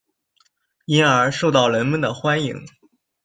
因而受到人们的欢迎。